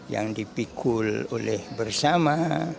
yang dipikul oleh bersama